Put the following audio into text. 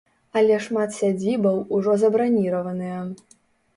Але шмат сядзібаў ужо забраніраваныя.